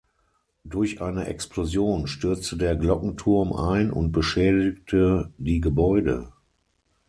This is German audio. Durch eine Explosion stürzte der Glockenturm ein und beschädigte die Gebäude.